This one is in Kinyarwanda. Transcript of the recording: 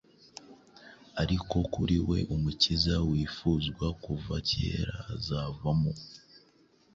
ariko kuri we umukiza wifuzwa kuva kera azavamo.